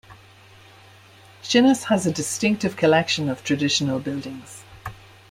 Shinas has a distinctive collection of traditional buildings.